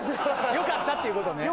よかったということで。